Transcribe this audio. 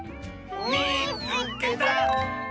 「みいつけた」！